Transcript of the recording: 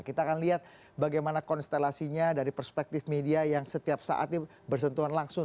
kita akan lihat bagaimana konstelasinya dari perspektif media yang setiap saat bersentuhan langsung